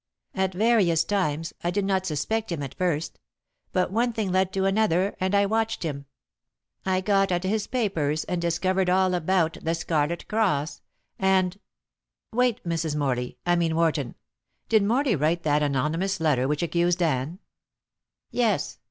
"At various times. I did not suspect him at first. But one thing led to another and I watched him. I got at his papers and discovered all about the Scarlet Cross, and " "Wait, Mrs. Morley I mean Warton. Did Morley write that anonymous letter which accused Anne?" "Yes.